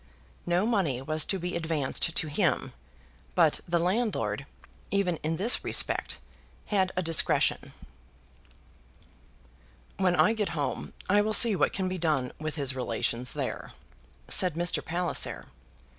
No money was to be advanced to him; but the landlord, even in this respect, had a discretion. "When I get home, I will see what can be done with his relations there," said Mr. Palliser.